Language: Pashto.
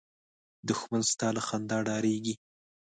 دښمن ستا له خندا ډارېږي